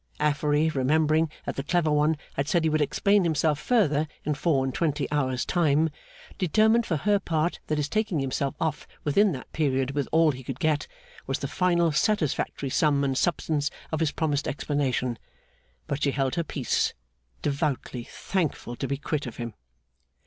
Affery, remembering that the clever one had said he would explain himself further in four and twenty hours' time, determined for her part that his taking himself off within that period with all he could get, was the final satisfactory sum and substance of his promised explanation; but she held her peace, devoutly thankful to be quit of him.